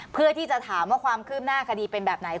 เพื่อที่จะถามว่าความคืบหน้าคดีเป็นแบบไหน